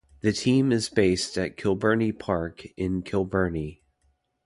The team is based at Kilbirnie Park in Kilbirnie.